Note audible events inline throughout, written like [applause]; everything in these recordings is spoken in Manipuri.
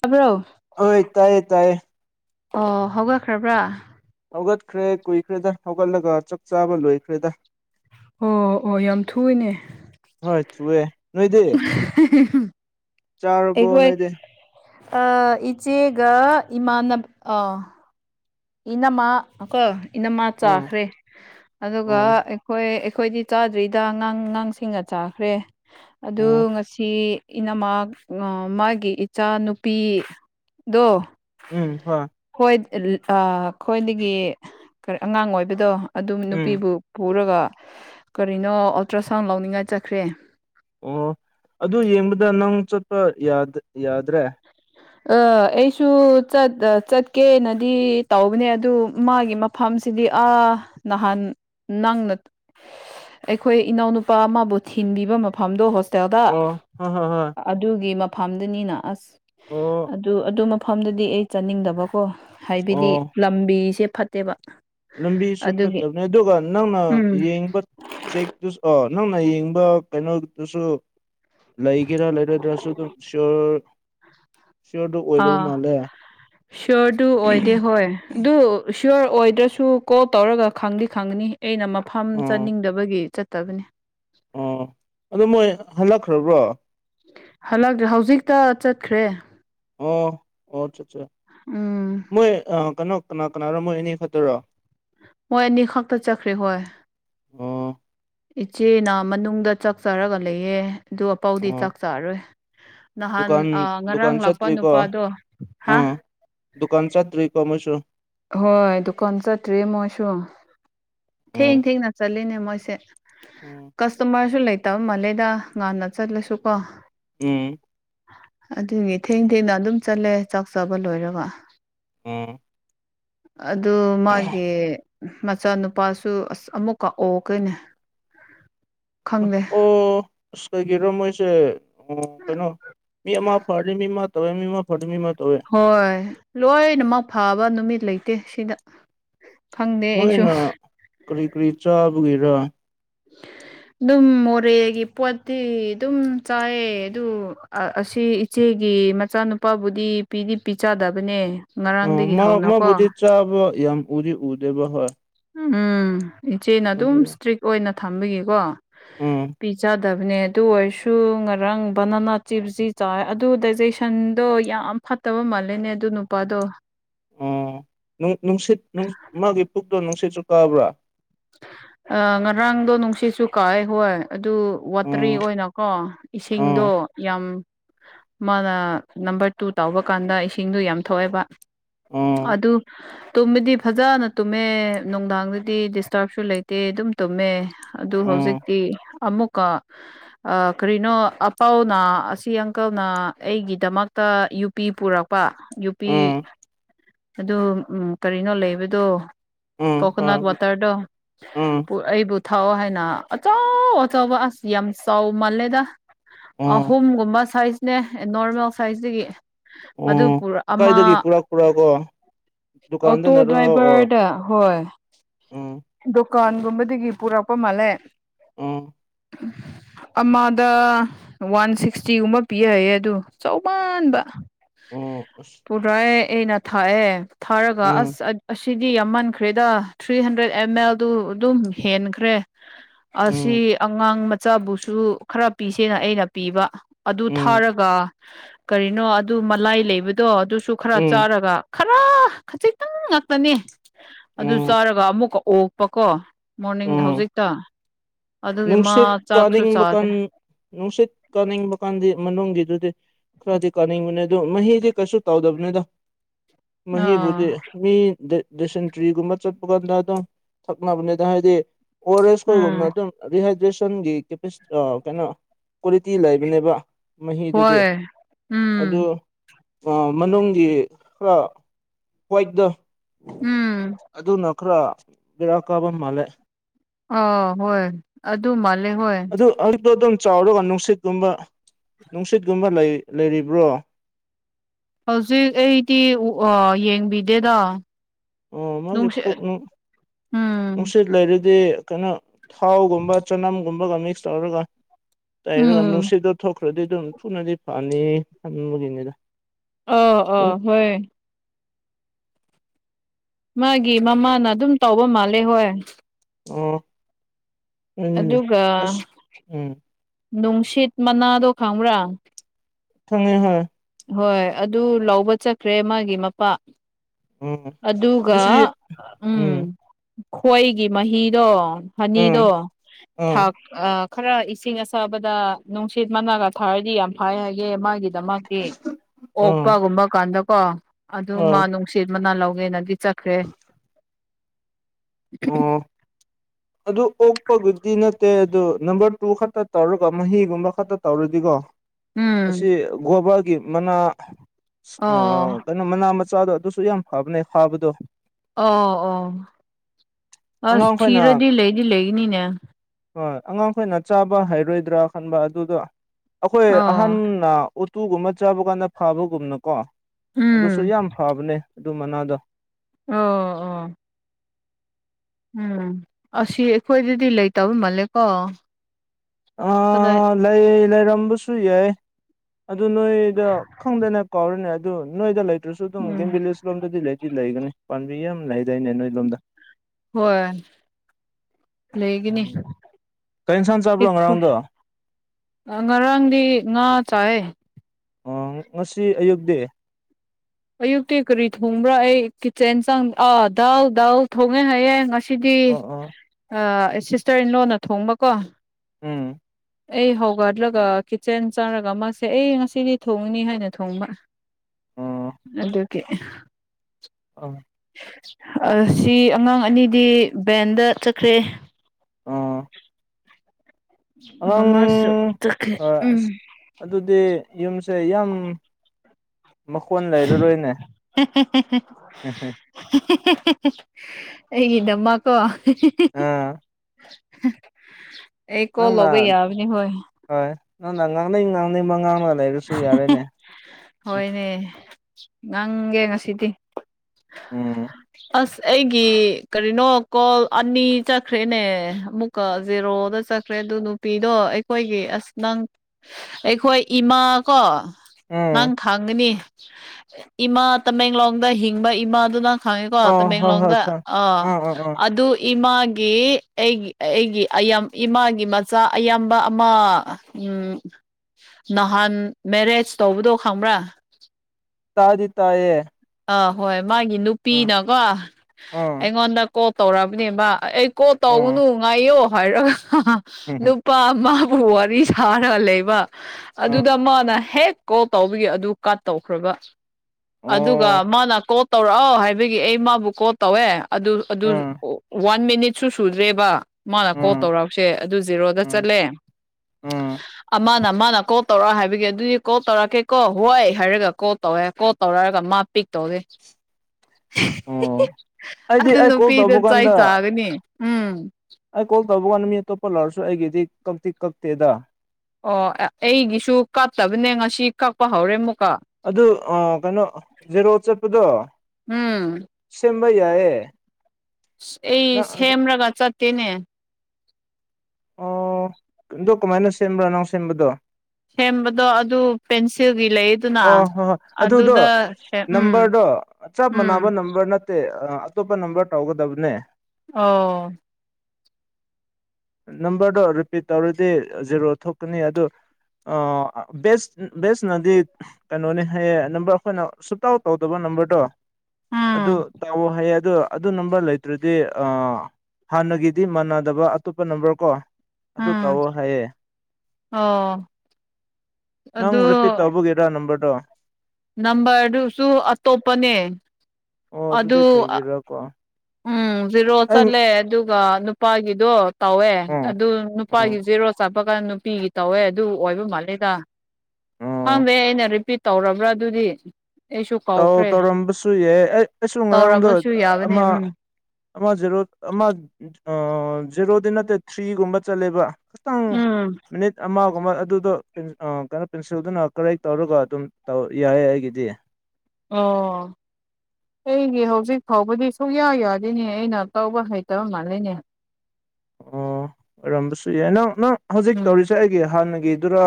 ꯇꯥꯕ꯭ꯔꯣ ꯍꯣꯏ ꯇꯥꯏ ꯇꯥꯏ ꯑꯣ ꯍꯧꯒꯠꯈ꯭ꯔꯕ꯭ꯔꯥ ꯍꯧꯒꯠꯈ꯭ꯔꯦ ꯀꯨꯏꯈ꯭ꯔꯦꯗ ꯍꯧꯒꯠꯂꯒ ꯆꯥꯛ ꯆꯥꯕ ꯂꯣꯏꯈ꯭ꯔꯦꯗ ꯑꯣ ꯑꯣ ꯌꯥꯝ ꯊꯨꯏꯅꯦ ꯍꯣꯏ ꯊꯨꯋꯦ ꯅꯣꯏꯗ [unintelligible] ꯆꯥꯔꯕꯣ ꯑꯩꯈꯣꯏ ꯅꯣꯏꯗꯤ ꯏꯆꯦꯒ ꯏꯃꯥꯟꯅꯕ ꯑꯥ ꯏꯅꯃꯥ ꯀꯣ ꯏꯅꯃꯥ ꯎꯝ ꯆꯥꯈ꯭ꯔꯦ ꯑꯗꯨꯒ ꯑꯣ ꯑꯩꯈꯣꯏ ꯑꯩꯈꯣꯏꯗꯤ ꯆꯥꯗ꯭ꯔꯤꯗ ꯑꯥꯡ ꯑꯥꯡꯁꯤꯡꯅ ꯆꯥꯈ꯭ꯔꯦ ꯑꯗꯨ ꯑꯣ ꯉꯁꯤ ꯏꯅꯃꯛ ꯃꯥꯒꯤ ꯏꯆꯥꯅꯨꯄꯤꯗꯣ ꯎꯝ ꯍ ꯍꯣꯏ ꯈꯈꯣꯏꯗꯒꯤ ꯀꯔꯤ ꯑꯉꯥꯡ ꯑꯣꯏꯕꯗꯣ ꯑꯗꯨꯝ ꯎꯝ ꯅꯨꯄꯤꯕꯨ ꯄꯨꯔꯒ ꯀꯔꯤꯅꯣ ꯑꯜꯇ꯭ꯔ ꯁꯥꯎꯟ ꯂꯧꯅꯤꯡꯉꯥꯏ ꯆꯠꯈ꯭ꯔꯦ ꯑꯣ ꯑꯗꯨ ꯌꯦꯡꯕꯗ ꯅꯪ ꯆꯠꯄ ꯌꯥꯗ꯭ꯔꯦ ꯎ ꯑ ꯑꯩꯁꯨ ꯆꯠꯀꯦꯅꯗꯤ ꯇꯧꯕꯅꯦ ꯑꯗꯨ ꯃꯥꯒꯤ ꯃꯐꯝꯐꯝꯁꯤꯗꯤ ꯑꯥ ꯅꯍꯥꯟ ꯅꯪꯅ ꯑꯩꯈꯣꯏ ꯏꯅꯥꯎꯅꯄꯥ ꯑꯃꯕꯨ ꯊꯤꯟꯕꯤꯕ ꯃꯐꯝꯗꯣ ꯍꯇꯗ ꯑꯣ ꯍꯣꯏ ꯍꯣꯏ ꯍꯣꯏ ꯑꯗꯨꯒꯤ ꯃꯐꯝꯗꯨꯅꯤꯅ ꯑꯁ ꯑꯣ ꯑꯗꯨ ꯑꯗꯨ ꯃꯐꯝꯗꯗꯤ ꯑꯩ ꯆꯠꯅꯤꯡꯗꯕꯀꯣ ꯍꯥꯏꯕꯗꯤ ꯑꯣ ꯂꯝꯕꯤꯁꯦ ꯐꯠꯇꯦꯕ ꯂꯝꯕꯤꯁꯨ ꯑꯗꯨꯒꯤ ꯐꯠꯇꯕꯅꯦ ꯑꯗꯨꯒ ꯅꯪꯅ ꯎꯝ ꯌꯦꯡꯕ ꯆꯦꯛꯇꯨ ꯑꯣ ꯅꯪꯅ ꯌꯦꯡꯕ ꯀꯩꯅꯣꯗꯨꯁꯨ ꯂꯩꯒꯦꯔꯥ ꯂꯩꯔꯣꯏꯗ꯭ꯔꯥꯁꯨ ꯑꯗꯨꯝ ꯁꯤꯌꯣꯔ ꯁꯤꯌꯣꯔꯗꯨ ꯑꯣꯏꯗꯕ ꯑꯥ ꯃꯥꯜꯂꯦ ꯁꯤꯌꯣꯔꯗꯨ ꯑꯣꯏꯗꯦ ꯍꯣꯏ ꯑꯗꯨ ꯁꯤꯌꯣꯔ ꯑꯣꯏꯗ꯭ꯔꯁꯨ ꯀꯣꯜ ꯇꯧꯔꯒ ꯈꯪꯗꯤ ꯈꯪꯅꯤ ꯑꯩꯅ ꯃꯐꯝ ꯑꯣ ꯆꯠꯅꯤꯡꯗꯕꯒꯤ ꯆꯠꯇꯕꯅꯦ ꯑꯣ ꯑꯗꯣ ꯃꯣꯏ ꯍꯜꯂꯛꯈ꯭ꯔꯕ꯭ꯔꯣ ꯍꯜꯂꯛꯇ꯭ꯔꯦ ꯍꯧꯖꯤꯛꯇ ꯆꯠꯈ꯭ꯔꯦ ꯑꯣ ꯑꯣ ꯑꯠꯆꯥ ꯑꯆꯥ ꯎꯝ ꯃꯣꯏ ꯑ ꯀꯩꯅꯣ ꯀꯅꯥ ꯀꯅꯥꯔꯣ ꯃꯣꯏ ꯑꯅꯤ ꯈꯛꯇꯔꯣ ꯃꯣꯏ ꯑꯅꯤ ꯈꯛꯇ ꯆꯠꯈ꯭ꯔꯦ ꯍꯣꯏ ꯑꯣ- ꯏꯆꯦꯅ ꯃꯅꯨꯡꯗ ꯆꯥꯛ ꯆꯥꯔꯒ ꯂꯩꯌꯦ ꯑꯗꯨ ꯑꯄꯥꯎꯗꯤ ꯑꯣ ꯆꯥꯛ ꯆꯥꯔꯔꯣꯏ ꯗꯨꯀꯥꯟ ꯗꯨꯀꯥꯟ ꯆꯠꯇ꯭ꯔꯤꯀꯣ ꯅꯨꯄꯥꯗꯣ ꯍꯥ ꯑꯥ ꯗꯨꯀꯥꯟ ꯆꯠꯇ꯭ꯔꯤꯀꯣ ꯃꯣꯏꯁꯨ ꯍꯣꯏ ꯗꯨꯀꯥꯟ ꯆꯠꯇ꯭ꯔꯤ ꯃꯣꯏꯁꯨ ꯊꯦꯡ ꯎꯝ ꯊꯦꯡꯅ ꯆꯠꯂꯤꯅꯦ ꯃꯣꯏꯁꯦ ꯎꯝ ꯀꯁꯇꯃꯔꯁꯨ ꯂꯩꯇꯕ ꯃꯥꯜꯂꯦꯗ ꯉꯥꯟꯅ ꯆꯠꯂꯁꯨ ꯀꯣ ꯎꯝ ꯑꯗꯨꯒꯤ ꯊꯦꯡ ꯊꯦꯡꯅ ꯑꯗꯨꯝ ꯆꯠꯂꯦ ꯆꯥꯛ ꯆꯥꯕ ꯂꯣꯏꯔꯒ ꯑꯝ ꯑꯗꯨ ꯃꯥꯒꯤ ꯃꯆꯥꯅꯨꯄꯥ ꯅꯨꯄꯥꯁꯨ ꯑꯁ ꯑꯃꯨꯛ ꯀ ꯑꯣ ꯀꯦꯅꯦ ꯈꯪꯗꯦ ꯑꯣ ꯑꯁ ꯀꯩꯒꯤꯔꯣ ꯃꯣꯏꯁꯦ ꯎ ꯀꯩꯅꯣ ꯃꯤ ꯑꯃ ꯐꯔꯦ ꯃꯤ ꯑꯃ ꯇꯧꯋꯦ ꯃꯤ ꯑꯃꯥ ꯐꯔꯗꯤ ꯃꯤ ꯑꯃꯥ ꯇꯧꯋꯦ ꯍꯣꯏ ꯂꯣꯏꯅꯃꯛ ꯐꯕ ꯅꯨꯃꯤꯠ ꯂꯩꯇꯦ ꯁꯤꯗ ꯈꯪꯗꯦ ꯑꯩꯁꯨ ꯃꯣꯏꯅ ꯀꯔꯤ ꯀꯔꯤ ꯆꯥꯕꯒꯤꯔ ꯑꯗꯨꯝ ꯃꯣꯔꯦꯒꯤ ꯄꯣꯠꯇꯤ ꯑꯗꯨꯝ ꯆꯥꯏꯑꯦ ꯑꯗꯨ ꯑꯁꯤ ꯏꯆꯦꯒꯤ ꯃꯆꯥꯅꯨꯄꯥꯕꯨꯗꯤ ꯄꯤꯗꯤ ꯄꯤꯖꯗꯕꯅꯦ ꯑꯣ ꯉꯔꯥꯡꯗꯒꯤ ꯃꯥ ꯍꯧꯅ ꯀꯣ ꯃꯥꯕꯨꯗꯤ ꯆꯥꯕ ꯌꯥꯝ ꯎꯗꯤ ꯎꯗꯦꯕ ꯍꯣꯏ ꯎꯝ ꯏꯆꯦꯅ ꯑꯗꯨꯝ ꯑꯗꯨ ꯏꯁꯇ꯭ꯔꯤꯛ ꯑꯣꯏꯅ ꯊꯝꯕꯤꯒꯤꯀꯣ ꯎꯝ ꯄꯤꯖ ꯐꯠꯇꯕꯅꯦ ꯑꯗꯨ ꯑꯣꯏꯔꯁꯨ ꯉꯔꯥꯡ ꯕꯅꯥꯅꯥ ꯆꯤꯞꯁꯤ ꯆꯥꯏ ꯑꯗꯨ ꯗꯥꯏꯖꯦꯁꯟꯗꯣ ꯌꯥꯝ ꯐꯠꯇ ꯇꯕ ꯃꯥꯟꯂꯦꯅꯦ ꯑꯗꯨ ꯅꯨꯄꯥꯗꯣ ꯑꯣ ꯅꯨꯡꯁꯤꯠ ꯅꯨꯡ ꯃꯥꯒꯤ ꯄꯨꯛꯇꯣ ꯅꯨꯡꯁꯤꯠꯁꯨ ꯀꯥꯕ꯭ꯔꯥ ꯑ ꯉꯔꯥꯡꯗꯣ ꯅꯨꯡꯁꯤꯁꯨꯨ ꯀꯥꯏ ꯍꯣꯏ ꯑꯗꯨ ꯋꯥꯇꯔꯤ ꯎꯝ ꯑꯣꯏꯅꯀꯣ ꯎꯝ ꯏꯁꯤꯡꯗꯣ ꯌꯥꯝ ꯃꯥꯅ ꯅꯝꯕꯔ ꯇꯨ ꯇꯧꯕ ꯀꯥꯟꯗ ꯏꯁꯤꯡꯗꯨ ꯌꯥꯝ ꯊꯣꯛꯑꯦꯕ ꯎꯝ ꯑꯗꯨ ꯇꯨꯝꯕꯗꯤ ꯐꯖꯅ ꯇꯨꯝꯃꯦ ꯅꯨꯡꯗꯥꯡꯗꯗꯤ ꯇꯥꯞꯁꯨ ꯂꯩꯇꯦ ꯑꯗꯨꯝ ꯇꯨꯝꯃꯦ ꯑꯗꯨ ꯎꯝ ꯍꯧꯖꯤꯛꯇꯤ ꯑꯃꯨꯛꯀ ꯑꯀꯔꯤꯅꯣ ꯑꯄꯥꯎꯅ ꯑꯁꯤ ꯑꯪꯀꯜꯅ ꯑꯩꯒꯤꯗꯃꯛꯇ ꯌꯨ ꯄꯤ ꯄꯨꯔꯛꯄ ꯌꯨꯄꯤ ꯎꯝ ꯑꯗꯨ ꯀꯔꯤꯅꯣ ꯂꯩꯕꯗꯣ ꯎꯝ ꯀꯣꯀꯣꯅꯠ ꯎꯝ ꯋꯥꯇꯔꯗꯣ ꯎꯝ ꯑꯩꯕꯨ ꯊꯛꯑꯣ ꯍꯥꯏꯅ ꯑꯆꯧ ꯑꯆꯧꯕ ꯑꯁ ꯌꯥꯝ ꯆꯥꯎ ꯃꯜꯂꯦꯗ ꯎꯝ ꯑꯍꯨꯝꯒꯨꯝꯕ ꯁꯥꯏꯖꯅꯦ ꯅꯣꯔꯃꯦꯜ ꯁꯥꯏꯖꯇꯒꯤ ꯑꯗꯨ ꯎꯝ ꯄꯨꯔꯛ ꯑꯃ ꯀꯥꯏꯗꯒꯤ ꯄꯨꯔꯛꯄ꯭ꯔꯥ ꯀꯣ ꯑꯣꯇꯣ ꯗꯨꯀꯥꯟꯗꯅꯔꯣ ꯗ꯭ꯔꯥꯏꯚꯔꯗ ꯍꯣꯏ ꯑꯝ ꯗꯨꯀꯥꯟꯒꯨꯝꯕꯗꯒꯤ ꯄꯨꯔꯛꯄ ꯃꯥꯜꯂꯦ ꯑꯝ ꯑꯃꯥꯗ ꯋꯥꯟ ꯁꯤꯛꯁꯇꯤꯒꯨꯝꯕ ꯄꯤꯌꯦ ꯍꯥꯏꯌꯦ ꯑꯗꯣ ꯆꯧꯃꯥꯟꯕ ꯎꯝ ꯑꯁ ꯄꯨꯔꯛꯑ ꯑꯩꯅ ꯊꯥꯛꯑꯦ ꯊꯥꯔꯒ ꯎꯝ ꯑꯁ ꯁꯤꯗꯤ ꯌꯥꯝꯃꯟꯈ꯭ꯔꯦꯗ ꯊ꯭ꯔꯤ ꯍꯟꯗ꯭ꯔꯦꯗ ꯑꯦꯝ ꯑꯦꯜꯗꯨ ꯑꯗꯨꯝ ꯍꯦꯟꯈ꯭ꯔꯦ ꯎꯝ ꯑꯁꯤ ꯑꯉꯥꯡ ꯃꯆꯥꯕꯨꯁꯨ ꯈꯔ ꯄꯤꯁꯦꯅ ꯑꯩꯅ ꯄꯤꯕ ꯑꯗꯨ ꯎꯝ ꯊꯥꯔꯒ ꯀꯔꯤꯅꯣ ꯑꯗꯨ ꯃꯂꯥꯏ ꯂꯩꯕꯗꯣ ꯑꯗꯨꯁꯨ ꯈꯔ ꯎꯝ ꯆꯥꯔꯒ ꯈꯔ ꯈꯖꯤꯛꯇꯪ ꯉꯥꯛꯇꯅꯦ ꯑꯗꯨ ꯎꯝ ꯆꯥꯎꯥꯔꯒ ꯑꯃꯨꯛꯀ ꯑꯣꯛꯄꯀꯣ ꯃꯣꯔꯅꯤꯡ ꯎꯝ ꯍꯧꯖꯤꯛꯇ ꯑꯗꯨꯒꯤ ꯃꯥ ꯅꯨꯡꯁꯤꯠ ꯆꯥꯛꯁꯨ ꯀꯥꯅꯤꯡꯕ ꯀꯥꯟ ꯆꯥꯗ꯭ꯔꯦ ꯅꯨꯡꯁꯤꯠ ꯀꯥꯅꯤꯡꯕ ꯀꯥꯟꯗꯤ ꯃꯅꯨꯡꯒꯤꯗꯨꯗꯤ ꯈꯔꯗꯤ ꯀꯥꯅꯤꯡꯕꯅꯦ ꯑꯗꯣ ꯃꯍꯤꯗꯤ ꯀꯩꯁꯨ ꯇꯧꯗꯕꯅꯤꯗ ꯑꯥ ꯃꯍꯤꯕꯨꯗꯤ ꯃꯤ ꯗꯥꯏꯁꯟꯇ꯭ꯔꯤꯒꯨꯝꯕ ꯆꯠꯄ ꯀꯥꯟꯗ ꯑꯗꯨꯝ ꯊꯛꯅꯕꯅꯦꯗ ꯍꯥꯏꯗꯤ ꯑꯣꯔꯦꯖ ꯎꯝ ꯀꯣꯏꯒꯨꯝꯕꯅ ꯑꯗꯨꯝ ꯔꯤꯍꯥꯏꯗ꯭ꯔꯦꯁꯟꯒꯤ ꯀꯦꯄꯤꯁ ꯑ ꯀꯩꯅꯣ ꯀ꯭ꯋꯥꯂꯤꯇꯤ ꯂꯩꯕꯅꯦꯕ ꯃꯍꯤꯗꯨꯗꯤ ꯍꯣꯏ ꯑꯗꯨ ꯎꯝ ꯑ ꯃꯅꯨꯡꯒꯤ ꯈꯔ ꯍ꯭ꯋꯥꯏꯠꯇꯣ ꯎꯝ ꯑꯗꯨꯅ ꯈꯔ ꯕꯦꯔꯥ ꯀꯥꯕ ꯃꯥꯟꯂꯦ ꯑ ꯍꯣꯏ ꯑꯗꯨ ꯃꯥꯟꯂꯦ ꯍꯣꯏ ꯑꯗꯨ ꯑꯌꯨꯛꯇꯣ ꯑꯗꯨꯝ ꯆꯥꯎꯔꯒ ꯅꯨꯡꯁꯤꯠꯀꯨꯝꯕ ꯅꯨꯡꯁꯤꯠꯀꯨꯝꯕ ꯂꯩꯔꯤ ꯂꯩꯔꯤꯕ꯭ꯔꯣ ꯍꯧꯖꯤꯛ ꯑꯩꯗꯤ ꯌꯦꯡꯕꯤꯗꯦꯗ ꯑꯣ ꯃꯥꯒꯤ ꯅꯨꯡꯁꯤ ꯄꯨꯛꯅꯨꯡ ꯎꯝ ꯅꯨꯡꯁꯤꯠ ꯂꯩꯔꯗꯤ ꯀꯩꯅꯣ ꯊꯥꯎꯒꯨꯝꯕ ꯆꯅꯝꯒꯨꯝꯕꯒ ꯃꯤꯛꯁ ꯇꯧꯔꯒ ꯇꯩꯔꯒ ꯎꯝ ꯅꯨꯡꯁꯤꯠꯇꯣ ꯊꯣꯛ ꯐ꯭ꯔꯗꯤ ꯑꯗꯨꯝ ꯊꯨꯅꯗꯤ ꯐꯅꯤ ꯈꯟꯕꯒꯤꯅꯤꯗ ꯑꯣ ꯎꯝ ꯑꯣ ꯍꯣꯏ ꯃꯥꯒꯤ ꯃꯃꯥꯅ ꯑꯗꯨꯝ ꯇꯧꯕ ꯃꯥꯜꯂꯦ ꯍꯣꯏ ꯑꯣ ꯍꯣꯏꯅꯤꯅꯦ ꯑꯗꯨꯒ ꯑꯁ ꯎꯝ ꯅꯨꯡꯁꯤꯠ ꯃꯅꯥꯗꯣ ꯈꯪꯕ꯭ꯔꯥ ꯈꯪꯉꯦ ꯍꯥꯏ ꯍꯣꯏ ꯑꯗꯨ ꯂꯧꯕ ꯆꯠꯈ꯭ꯔꯦ ꯃꯥꯒꯤ ꯃꯄꯥ ꯎꯝ ꯑꯗꯨꯒ ꯑꯁꯤ ꯎꯝ ꯈꯣꯏꯒꯤ ꯃꯍꯤꯗꯣ ꯍꯅꯤꯗꯣ ꯑꯥ ꯊꯥꯛ ꯑꯥ ꯑ ꯈꯔ ꯏꯁꯤꯡ ꯑꯁꯥꯕꯗ ꯅꯨꯡꯁꯤꯠ ꯃꯅꯥꯒ ꯊꯥꯔꯗꯤ ꯌꯥꯝ ꯐꯥꯏ ꯍꯥꯏꯌꯦ ꯃꯥꯒꯤꯗꯃꯛꯇꯤ ꯑꯥ ꯑꯣꯛꯄꯒꯨꯝꯕ ꯀꯥꯟꯗ ꯀꯣ ꯑꯗꯨ ꯃꯥ ꯑꯥ ꯅꯨꯡꯁꯤꯠ ꯃꯅꯥ ꯂꯧꯒꯦꯅꯗꯤ ꯆꯠꯈ꯭ꯔꯦ [inaudible] ꯑꯣ ꯑꯗꯨ ꯑꯣꯛꯄꯕꯨꯗꯤ ꯅꯠꯇꯦ ꯑꯗꯨ ꯅꯝꯕꯔ ꯇꯨ ꯈꯛꯇ ꯇꯧꯔꯒ ꯃꯍꯤꯒꯨꯝꯕ ꯈꯛꯇ ꯇꯧꯔꯗꯤꯀꯣ ꯎꯝ ꯑꯁꯤ ꯒꯋ꯭ꯥꯕꯒꯤ ꯃꯅꯥ ꯑꯣ ꯀꯩꯅꯣ ꯃꯅꯥ ꯃꯆꯥꯗꯣ ꯑꯗꯨꯁꯨ ꯌꯥꯝ ꯐꯕꯅꯦ ꯐꯥꯕꯗꯣ ꯑꯣ ꯑꯣ ꯑꯁ ꯑꯉꯥꯡꯈꯣꯏꯅ ꯊꯤꯔꯗꯤ ꯂꯩꯗꯤ ꯂꯩꯒꯅꯤꯅꯦ ꯍꯣꯏ ꯑꯉꯥꯡꯈꯣꯏꯅ ꯆꯥꯕ ꯍꯩꯔꯣꯏꯗ꯭ꯔꯥ ꯈꯟꯕ ꯑꯗꯨꯗꯣ ꯑꯩꯈꯣꯏ ꯑꯣ ꯑꯍꯟꯅ ꯑꯣꯇꯨꯒꯨꯝꯕ ꯆꯥꯕ ꯀꯥꯟꯗ ꯐꯕꯒꯨꯝꯅꯀꯣ ꯎꯝ ꯑꯗꯨꯁꯨ ꯌꯥꯝ ꯐꯕꯅꯦ ꯑꯗꯨ ꯃꯅꯥꯗꯣ ꯑꯣ ꯑꯣ ꯎꯝ ꯑꯁꯤ ꯑꯩꯈꯣꯏꯗꯗꯤ ꯂꯩꯇꯕ ꯃꯥꯜꯂꯦꯀꯣ ꯑ ꯀꯗꯥꯏ ꯂꯩ ꯂꯩꯔꯝꯕꯁꯨ ꯌꯥꯏ ꯑꯗꯨ ꯅꯣꯏꯗ ꯈꯪꯗꯦꯅꯦ ꯀꯥꯎꯔꯦꯅꯦ ꯑꯗꯨ ꯅꯣꯏꯗ ꯂꯩ ꯁꯨ ꯑꯗꯨꯝ ꯎꯝ [unintelligible] ꯚꯂꯦꯖ ꯂꯣꯝꯗꯗꯤ ꯂꯩꯗꯤ ꯂꯩꯒꯅꯤ ꯄꯥꯝꯕꯤ ꯌꯥꯝ ꯂꯩꯗꯥꯏꯅꯦ ꯅꯣꯏ ꯗꯣꯝꯗ ꯍꯣꯏ ꯂꯩꯒꯅꯤ ꯎꯝ ꯀꯩ ꯏꯟꯁꯥꯡ ꯆꯥꯕ꯭ꯔꯣ ꯑꯩꯈꯣꯏ ꯉꯔꯥꯡꯗꯣ ꯉꯔꯥꯡꯗꯤ ꯉꯥ ꯆꯥꯌꯦ ꯑꯣꯡ ꯉꯁꯤ ꯑꯌꯨꯛꯇꯤ ꯑꯌꯨꯛꯇꯤ ꯀꯔꯤ ꯊꯣꯡꯕ꯭ꯔꯥ ꯑꯩ ꯀꯤꯠꯆꯦꯟ ꯆꯥꯡ ꯑꯥ ꯗꯥꯜ ꯗꯥꯜ ꯊꯣꯡꯉꯦ ꯍꯌꯦ ꯁꯤꯗꯤ ꯑꯣ ꯑꯣ ꯑꯥ ꯁꯤꯁꯇꯔ ꯏꯟ ꯂꯣꯅ ꯊꯣꯡꯕꯀꯣ ꯎꯝ ꯑꯩ ꯍꯧꯒꯠꯂꯒ ꯀꯤꯠꯆꯦꯟ ꯆꯪꯔꯒ ꯃꯁꯦ ꯑꯩ ꯉꯁꯤꯗꯤ ꯊꯣꯡꯉꯅꯤ ꯍꯥꯏꯅ ꯊꯣꯡꯕ꯭ꯔꯥ ꯑꯣ ꯑꯗꯨꯒꯤ [unintelligible] ꯑꯁꯤ ꯑꯉꯥꯡ ꯑꯅꯤꯗꯤ ꯕꯦꯟꯗ ꯆꯠꯈ꯭ꯔꯦ ꯑꯣ ꯑꯉꯥꯡ ꯃꯃꯁꯨ ꯆꯈ ꯍꯣꯏ ꯎꯝ ꯑꯁ ꯑꯗꯨꯗꯤ ꯌꯨꯝꯁꯦ ꯌꯥꯝ ꯃꯈꯣꯟ ꯂꯩꯔꯔꯣꯏꯅꯦ ꯎꯝ ꯑꯩꯒꯤꯗꯃꯛ ꯀ ꯑꯥ ꯅꯪꯅ ꯍꯣꯏ ꯅꯪꯅ ꯉꯥꯡꯅ ꯉꯥꯡꯅꯤꯡꯕ ꯉꯥꯡꯕ ꯂꯩꯔꯁꯨ ꯌꯥꯔꯦꯅꯦ ꯎꯝ ꯍꯣꯏꯅꯦ ꯉꯪꯒꯦ ꯉꯁꯤꯗꯤ ꯎꯝ ꯑ ꯑꯩꯒꯤ ꯀꯔꯤꯅꯣ ꯀꯣꯜ ꯑꯅꯤ ꯆꯠꯈ꯭ꯔꯦꯅꯦ ꯑꯃꯨꯛꯀ ꯖꯦꯔꯣꯗ ꯆꯠꯈ꯭ꯔꯦ ꯑꯗꯨ ꯅꯨꯄꯤꯗꯣ ꯑꯩꯈꯣꯏꯒꯤ ꯑꯁ ꯅꯪ ꯑꯩꯈꯣꯏ ꯏꯃꯥ ꯀꯣ ꯅꯪ ꯎꯝ ꯍꯪꯉꯅꯤ ꯏꯃꯥ ꯇꯃꯦꯡꯂꯣꯡꯗ ꯍꯤꯡꯕ ꯏꯃꯥꯗꯨꯅ ꯈꯪꯉꯤꯀꯣ ꯑꯣ ꯍꯣꯏ ꯍꯣꯏ ꯇꯃꯦꯡꯂꯣꯡꯗ ꯈꯪ ꯑꯥ ꯑꯥ ꯑꯗꯨ ꯏꯃꯥꯒꯤ ꯑꯩꯒꯤ ꯑꯩꯒꯤ ꯑꯌꯥꯝ ꯏꯃꯥꯒꯤ ꯃꯆꯥ ꯑꯌꯥꯝꯕ ꯑꯃ ꯎꯝ ꯅꯍꯥꯟ ꯃꯦꯔꯦꯖ ꯇꯧꯕꯗꯣ ꯈꯪꯕ꯭ꯔꯥ ꯇꯥꯗꯤ ꯇꯌꯦ ꯑꯥ ꯍꯣꯏ ꯃꯥꯒꯤ ꯅꯨꯄꯤꯅꯀꯣ ꯑꯥ ꯑꯩꯉꯣꯟꯗ ꯀꯣꯜ ꯇꯧꯔꯛꯑꯕꯅꯦꯕ ꯑꯩ ꯀꯣ ꯇꯧꯅꯨ ꯑꯥ ꯉꯥꯏꯌꯣ ꯍꯥꯏꯔꯒ ꯎꯝ ꯅꯨꯄꯥ ꯃꯥꯕꯨ ꯋꯥꯔꯤ ꯁꯥꯔ ꯂꯩꯕ ꯑꯗꯨꯗ ꯎꯝ ꯃꯥꯅ ꯍꯦꯛ ꯀꯣꯜ ꯇꯧꯕꯤꯒꯦ ꯑꯗꯨ ꯀꯥꯠ ꯇꯧꯈ꯭ꯔꯕ ꯑꯗꯨꯒ ꯑꯣ ꯃꯥꯅ ꯀꯣꯜ ꯇꯧꯔꯛꯑꯣ ꯍꯥꯏꯕꯒꯤ ꯑꯩ ꯃꯥꯕꯨ ꯀꯣꯜ ꯇꯧꯋꯦ ꯑꯗꯨ ꯑꯗꯨ ꯎꯝ ꯋꯥ ꯃꯤꯅꯤꯠꯁꯨꯨ ꯁꯨꯗ꯭ꯔꯦꯕ ꯃꯥꯅ ꯀꯣꯜ ꯎꯝ ꯇꯧꯔꯥꯎꯁꯦ ꯑꯗꯨ ꯖꯦꯔꯣꯗ ꯎꯝ ꯆꯠꯂꯦ ꯎꯝ ꯑꯃꯅ ꯃꯥꯅ ꯀꯣꯜ ꯇꯧꯔꯛ ꯍꯥꯏꯕꯤꯒꯦ ꯑꯗꯨꯗꯤ ꯀꯣꯜ ꯇꯧꯔꯛꯀꯦꯀꯣ ꯍꯏ ꯍꯥꯏꯔꯒ ꯀꯣꯜ ꯇꯧꯋꯦ ꯀꯣꯜ ꯇꯧꯔꯛꯑꯒ ꯃꯥ ꯄꯤ ꯇꯗ ꯑꯣ ꯑꯩꯗꯤ ꯑꯗꯨ ꯑꯩ ꯀꯣꯜ ꯅꯨꯄꯤꯗ ꯇꯧꯕ ꯆꯥꯏ ꯀꯥꯟꯗ ꯆꯥꯒꯅꯤ ꯎꯝ ꯑꯩ ꯀꯣꯜ ꯇꯧꯕ ꯀꯥꯟꯗ ꯃꯤ ꯑꯇꯣꯞꯄ ꯂꯥꯛꯔꯁꯨ ꯑꯩꯒꯤꯗꯤ ꯀꯛꯇꯤ ꯀꯛꯇꯦꯗ ꯑꯣ ꯑꯩꯒꯤꯁꯨ ꯀꯇꯕꯅꯦ ꯉꯁꯤ ꯀꯛꯄ ꯍꯧꯔꯦ ꯑꯃꯨꯛꯀ ꯑꯗꯨ ꯀꯩꯅꯣ ꯖꯦꯔꯣ ꯆꯠꯄꯗꯣ ꯎꯝ ꯁꯦꯝꯕ ꯌꯥꯏꯌꯦꯦ ꯑꯩ ꯁꯦꯝꯦꯔꯒ ꯆꯠꯠꯇꯦꯅꯦ ꯑꯣꯗꯣ ꯀꯃꯥꯏꯅ ꯁꯦꯝꯕ꯭ꯔꯥ ꯅꯪ ꯁꯦꯝꯕꯗꯣ ꯁꯦꯝꯗꯣ ꯑꯗꯨ ꯄꯦꯦꯟꯁꯤꯜ ꯏꯂ ꯏ ꯑꯣ ꯍꯣꯏ ꯍꯣꯏ ꯑꯗꯨꯗꯣ ꯎꯝ ꯅꯝꯕꯔꯗꯣ ꯆꯞ ꯃꯥꯟꯅꯕ ꯎꯝ ꯅꯝꯕꯔ ꯅ ꯑꯇꯣꯞꯄ ꯅꯝꯕꯔ ꯇꯧꯒꯗꯕꯅꯦ ꯑꯣ ꯅꯝꯕꯔꯗꯣ ꯔꯤꯄꯤꯠ ꯇꯧꯔꯗꯤ ꯖꯦꯔꯣ ꯊꯣꯛꯀꯅꯤ ꯑꯗꯨ ꯑ ꯦꯁ ꯦꯁ ꯅꯗꯤ ꯀꯩꯅꯣꯅꯦ ꯍꯌꯦ ꯅꯝꯕꯔ ꯑꯩꯈꯣꯏꯅ ꯁꯨꯇꯥꯎ ꯇꯧꯗꯕ ꯅꯝꯕꯔꯗꯣ ꯑꯗꯨꯗ ꯎꯝ ꯇꯥꯎ ꯍꯌꯦ ꯑꯗꯨ ꯑꯗꯨ ꯅꯝꯕꯔ ꯂꯩꯇ꯭ꯔꯗꯤ ꯍꯥꯟꯅꯒꯤꯗꯤ ꯃꯥꯟꯅꯗꯕ ꯑꯇꯣꯞꯄ ꯅꯝꯕꯔ ꯀꯣ ꯑꯗꯨ ꯎꯝ ꯇꯧꯑꯣ ꯍꯥꯏꯌꯦꯦ ꯑꯣ ꯅꯪ ꯑꯗꯨ ꯔꯤꯄꯤꯠ ꯇꯧꯕꯒꯤ ꯅꯝꯕꯔꯗꯣ ꯅꯝꯕꯔꯗꯨꯁꯨ ꯑꯇꯣꯞꯄꯅꯦ ꯑꯣ ꯑꯗꯨ ꯑꯗꯨꯗꯤ ꯀꯩꯒꯤꯔꯥꯀꯣ ꯎꯝ ꯖꯤꯦꯔꯣ ꯆꯠꯂꯦ ꯑꯗꯨꯒ ꯅꯨꯄꯥꯒꯤꯗꯣ ꯇꯧꯋꯦ ꯑꯣ ꯑꯗꯨ ꯑꯣ ꯅꯨꯄꯥꯒꯤ ꯖꯦꯔꯣ ꯆꯠꯄ ꯀꯥꯟꯗ ꯅꯨꯄꯤꯒꯤ ꯇꯧꯋꯦ ꯑꯗꯨ ꯑꯣꯏꯕ ꯃꯥꯜꯂꯦꯗ ꯑꯣ ꯈꯪꯃꯦꯦ ꯑꯩꯅ ꯔꯤꯄꯤꯠ ꯇꯧꯔꯕ꯭ꯔꯥ ꯑꯗꯨꯗꯤ ꯑꯩꯁꯨ ꯇꯧ ꯀꯥꯎꯈ꯭ꯔꯦ ꯇꯧꯔꯝꯕꯁꯨ ꯌꯥꯏ ꯑꯩ ꯑꯩꯁꯨ ꯉꯔꯥꯡꯗꯣ ꯇꯧꯔꯕꯁꯨ ꯌꯥꯕꯅꯦ ꯑꯃ ꯎꯝ ꯑꯃ ꯖꯦꯔꯣ ꯑꯃ ꯖꯦꯔꯣꯗꯤ ꯅꯠꯇꯦ ꯊ꯭ꯔꯤꯒꯨꯝꯕ ꯆꯠꯂꯦꯕ ꯇ ꯎꯝ ꯃ ꯑꯃꯒꯨꯝ ꯑꯃ ꯑꯗꯨꯗꯣ ꯀꯩꯅꯣ ꯄꯤꯟꯁꯤꯜꯗꯨꯅ ꯀꯔꯦꯛ ꯇꯧꯔꯒ ꯑꯗꯨꯝ ꯇꯧ ꯌꯥꯏ ꯑꯩꯒꯤꯗꯤ ꯑꯣ ꯑꯩꯒꯤ ꯍꯧꯖꯤꯛ ꯐꯥꯎꯕꯗꯤ ꯁꯨꯡꯌꯥ ꯌꯥꯗꯦꯅꯦ ꯑꯩꯅ ꯇꯧꯕ ꯍꯩꯇꯕ ꯃꯥꯜꯂꯤꯅꯦ ꯑꯣ ꯑꯣꯏꯔꯝꯕꯁꯨ ꯌꯥꯏ ꯅꯪ ꯅꯪ ꯍꯧꯖꯤꯛ ꯎꯝ ꯇꯧꯔꯤꯁꯦ ꯑꯩ ꯒꯤ ꯍꯥꯟꯅꯒꯤꯗꯨꯔ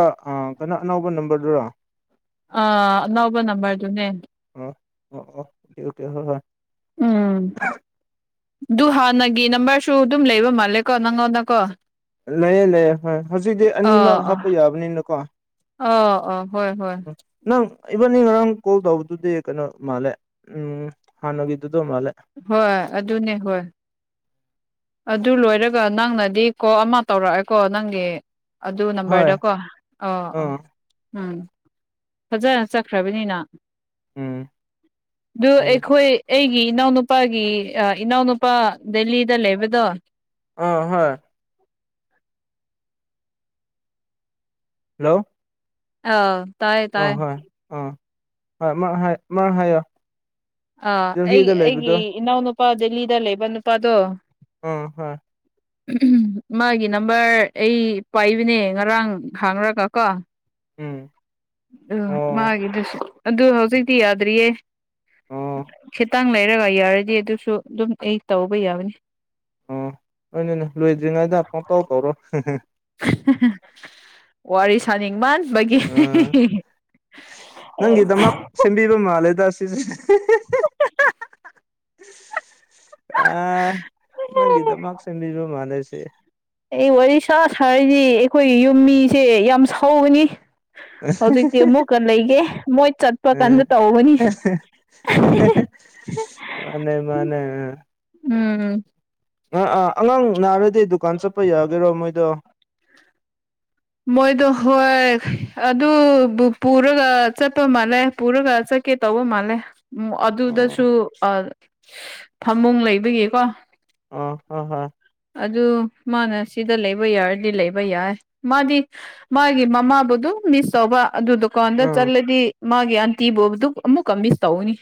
ꯍꯟꯗꯛ ꯑꯅꯧꯕ ꯅꯝꯕꯔꯗꯨꯔ ꯑ ꯑꯅꯧꯕ ꯅꯝꯕꯔꯗꯨꯅꯦ ꯑꯣ ꯑꯣ ꯑꯣ ꯑꯣꯀꯦ ꯑꯣꯀꯦ ꯍꯣꯏ ꯍꯣꯏ ꯎꯝ ꯑꯗꯨ ꯍꯥꯟꯅꯒꯤ ꯅꯝꯕꯔꯁꯨ ꯑꯗꯨꯝ ꯂꯩꯕ ꯃꯥꯜꯂꯦꯀꯣ ꯅꯪꯉꯣꯟꯗꯀꯣ ꯂꯩꯑꯦ ꯂꯩꯑꯦ ꯍꯣꯏ ꯍꯧꯖꯤꯛꯇꯤ ꯑꯅꯤꯃꯛ ꯍꯥꯞꯄ ꯌꯥꯕꯅꯤꯅꯀꯣ ꯑꯣ ꯑꯣ ꯍꯣꯏ ꯍꯣꯏ ꯅꯪ ꯏꯚꯟꯅꯤꯡ ꯉꯔꯥꯡ ꯀꯣꯜ ꯇꯧꯕꯗꯨꯗꯤ ꯀꯩꯅꯣ ꯃꯥꯜꯂꯦ ꯎꯝ ꯍꯥꯟꯅꯒꯤꯗꯨꯗ ꯃꯥꯜꯂꯦ ꯍꯣꯏ ꯑꯗꯨꯅꯦ ꯍꯣꯏ ꯑꯗꯨ ꯂꯣꯏꯔꯒ ꯅꯪꯅꯗꯤ ꯀꯣ ꯑꯃ ꯇꯧꯔꯛꯑꯦꯀꯣ ꯅꯪꯒꯤ ꯑꯗꯨ ꯍꯣꯏ ꯅꯝꯕꯔꯗ ꯀꯣ ꯑ ꯑ ꯑꯥ ꯎꯝ ꯐꯖꯅ ꯆꯠꯈ꯭ꯔꯕꯅꯤꯅ ꯎꯝ ꯑꯗꯨ ꯃꯥꯅꯦ ꯑꯩꯈꯣꯏ ꯑꯩꯒꯤ ꯏꯅꯥꯎꯅꯨꯄꯥꯒꯤ ꯏꯅꯥꯎꯅꯨꯄꯥ ꯗꯦꯜꯂꯤꯗ ꯂꯩꯕꯗꯣ ꯑ ꯍꯣꯏ ꯍꯜꯂꯣ ꯑꯥꯎ ꯑ ꯍꯣꯏ ꯑꯥ ꯍꯣꯏ ꯍꯥꯏ ꯃꯥ ꯍꯥꯏꯌꯣ ꯑꯥ ꯑꯩ ꯗꯦꯜꯍꯤꯗ ꯑꯩꯒꯤ ꯂꯩꯕꯗꯣ ꯏꯅꯥꯎꯅꯨꯄꯥ ꯗꯦꯜꯂꯤꯗ ꯂꯩꯕ ꯅꯨꯄꯥꯗꯣ ꯎꯝ ꯍꯣꯏ [unintelligible] ꯃꯥꯒꯤ ꯅꯝꯕꯔ ꯑꯩ ꯄꯥꯏꯕꯅꯦ ꯉꯔꯥꯡ ꯍꯥꯡꯔꯒ ꯀꯣ ꯎꯝ ꯎꯝ ꯑꯣ ꯃꯥꯒꯤꯗꯨꯁꯨ ꯑꯗꯨ ꯍꯧꯖꯤꯛꯇꯤ ꯌꯥꯗ꯭ꯔꯤꯌꯦ ꯑꯣ ꯈꯤꯇꯪ ꯂꯩꯔꯒ ꯌꯥꯔꯗꯤ ꯑꯗꯨꯁꯨ ꯑꯗꯨꯝ ꯑꯩ ꯇꯧꯕ ꯌꯥꯕꯅꯤ ꯑꯣ ꯑꯗꯨꯅꯤ ꯂꯣꯏꯗ꯭ꯔꯤꯉꯩꯗ ꯄꯡꯇꯧ ꯇꯧꯔꯣ [unintelligible] ꯋꯥꯔꯤ ꯁꯥꯅꯤꯡ ꯃꯥꯟꯕꯒꯤ ꯑꯥ ꯑꯦ [unintelligible] ꯃꯥꯂꯦꯗ ꯁꯤꯁꯦ [unintelligible] ꯑ ꯅꯪꯒꯤꯗꯃꯛ ꯁꯦꯝꯕꯤꯕ ꯃꯥꯜꯂꯦꯁꯦ ꯑꯩ ꯋꯥꯔꯤ ꯁꯥ ꯁꯥꯔꯗꯤ ꯑꯩꯈꯣꯏꯒꯤ ꯌꯨꯝ ꯃꯤꯁꯦ ꯌꯥꯝ ꯁꯧꯕꯅꯤ ꯍꯧꯖꯤꯛꯇꯤ ꯑꯃꯨꯛꯀ ꯂꯩꯒꯦ ꯃꯣꯏ ꯆꯠꯄ ꯀꯥꯟꯗ ꯑ ꯇꯧꯒꯅꯤ [unintelligible] ꯃꯥꯅꯦ ꯃꯥꯅꯦ ꯎꯝ ꯑꯥ ꯑꯥ ꯑꯉꯥꯡ ꯅꯥꯔꯗꯤ ꯗꯨꯀꯥꯟ ꯆꯠꯄ ꯌꯥꯒꯦꯔꯣ ꯃꯣꯏꯗꯣ ꯃꯣꯏꯗꯣ ꯍꯣꯏ ꯑꯗꯨꯕꯨ ꯄꯨꯔꯒ ꯆꯠꯄ ꯃꯥꯜꯂꯦ ꯄꯨꯔꯒ ꯆꯠ ꯀꯦ ꯇꯧꯕꯣ ꯃꯥꯂꯦ ꯑꯣ ꯑꯗꯨꯗꯁꯨ ꯐꯃꯨꯡ ꯂꯩꯕꯒꯤꯀꯣ ꯑꯣ ꯍꯣ ꯍꯣꯏ ꯑꯗꯨ ꯃꯥꯅ ꯁꯤꯗ ꯂꯩꯕ ꯌꯥꯔꯗꯤ ꯂꯩꯕ ꯌꯥꯏ ꯃꯥꯗꯤ ꯃꯥꯒꯤ ꯃꯃꯥꯕꯨ ꯗꯨꯝ ꯃꯤꯁ ꯇꯧꯕ ꯑꯗꯨ ꯗꯨꯀꯥꯟꯗ ꯎꯝ ꯆꯠꯂꯗꯤ ꯃꯥꯒꯤ ꯑꯟꯇꯤꯕꯨ ꯑꯃꯨꯛ ꯃꯤꯁ ꯇꯧꯅꯤ